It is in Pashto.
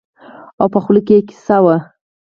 او په خوله کې يې قیضه وي